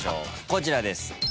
こちらです。